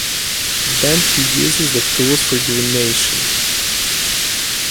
Then he uses the tools for divination.